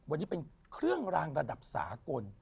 วันนี้เป็นเครื่องรางระดับสากล